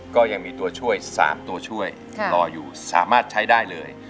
ก็ยังมีตัวช่วย๓ตัวช่วยรออยู่สามารถใช้ได้เลย